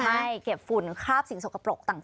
ใช่เก็บฝุ่นคราบสิ่งสกปรกต่าง